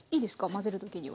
混ぜる時には。